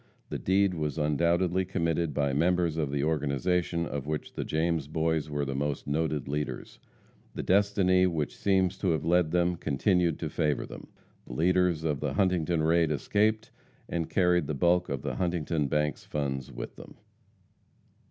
The deed was undoubtedly committed by members of the organization of which the James Boys were the most noted leaders. The destiny which seems to have led them continued to favor them. The leaders of the Huntington raid escaped, and carried the bulk of the Huntington bank's funds with them.